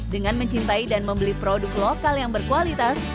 dengan mencintai dan membeli produk lokal yang berkualitas